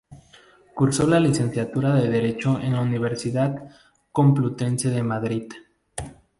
Cursó la licenciatura de Derecho en la Universidad Complutense de Madrid.